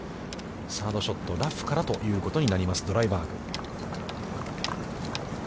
サードショット、ラフからということになります、ドライバーグ。